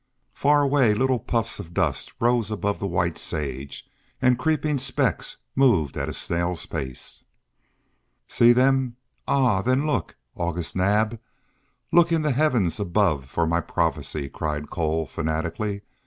Far away little puffs of dust rose above the white sage, and creeping specks moved at a snail's pace. "See them? Ah! then look, August Naab, look in the heavens above for my prophecy," cried Cole, fanatically.